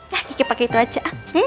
wah kiki pakai itu aja